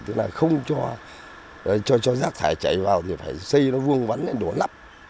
tức là không cho rác thải chảy vào thì phải xây nó vuông vắn lên đổ lắp